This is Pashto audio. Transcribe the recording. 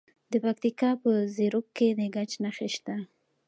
د پکتیکا په زیروک کې د ګچ نښې شته.